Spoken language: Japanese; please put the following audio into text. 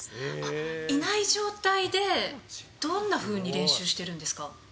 いない状態で、どんなふうに練習してるんですか？